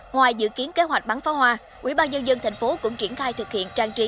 ngoài dự kiến kế hoạch bắn pháo hoa ubnd tp cũng triển khai thực hiện trang trí